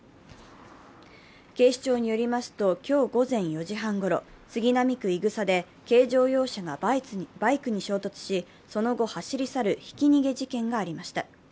警視庁によりますと、今日午前４時半ごろ、杉並区井草で軽乗用車がバイクに衝突し、その後走り去るひき逃げ事件がありました。